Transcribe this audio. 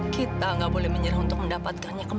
kita gak boleh menyerah untuk mendapatkannya kamu